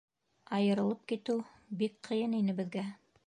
Айырылып китеү бик ҡыйын ине беҙгә.